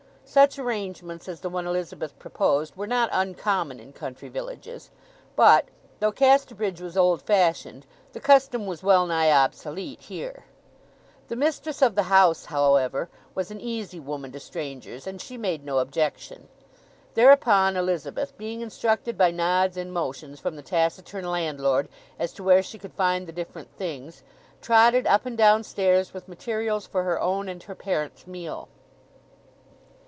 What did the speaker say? Such arrangements as the one Elizabeth proposed were not uncommon in country villages; but, though Casterbridge was old fashioned, the custom was well nigh obsolete here. The mistress of the house, however, was an easy woman to strangers, and she made no objection. Thereupon Elizabeth, being instructed by nods and motions from the taciturn landlord as to where she could find the different things, trotted up and down stairs with materials for her own and her parent's meal.